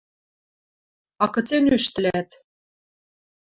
– А кыце нӱштӹлӓт?